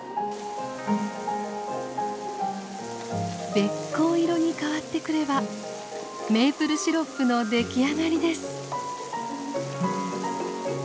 べっ甲色に変わってくればメープルシロップの出来上がりです。